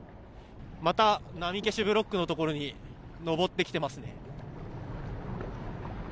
また波消しブロックのところに登ってきていますね。